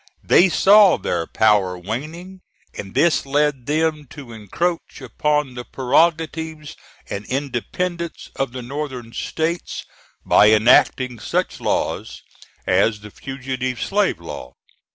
They saw their power waning, and this led them to encroach upon the prerogatives and independence of the Northern States by enacting such laws as the Fugitive Slave Law.